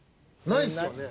ないですよね。